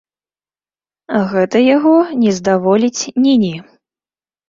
Гэта яго не здаволіць ні-ні.